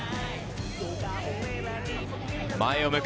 前を向く。